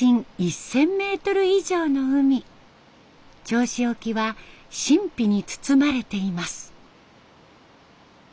銚子沖は神秘に包まれています。